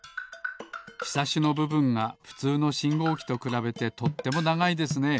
ひさしのぶぶんがふつうのしんごうきとくらべてとってもながいですね。